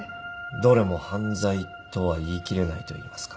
どれも犯罪とは言い切れないといいますか。